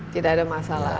tidak ada masalah